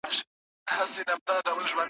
هغې اوږدمهاله بریا غوره کړه.